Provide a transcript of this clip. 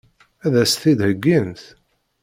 Ad as-t-id-heggint?